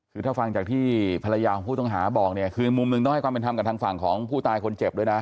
คือถ้าฟังจากที่ภรรยาของผู้ต้องหาบอกเนี่ยคือมุมหนึ่งต้องให้ความเป็นธรรมกับทางฝั่งของผู้ตายคนเจ็บด้วยนะ